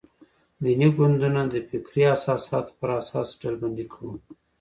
دیني ګوندونه د فکري اساساتو پر اساس ډلبندي کړو.